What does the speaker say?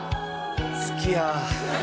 好きや。